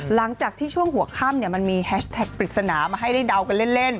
หลังจากที่ช่วงหัวค่ำมันมีแฮชแท็กปริศนามาให้ได้เดากันเล่น